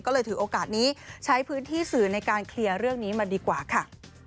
ก็เลยถือโอกาสนี้ใช้พื้นที่สื่อในการเคลียร์เรื่องนี้มาดีกว่าค่ะ